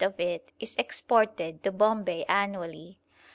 of it is exported to Bombay annually.